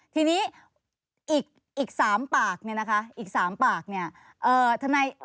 ทีนี้อีก๓ปากเนี่ยนะคะอีก๓ปากเนี่ย